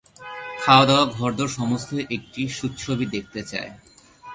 খাওয়া-দাওয়া ঘর-দোর সমস্তই একটু সুচ্ছবি দেখতে চায়।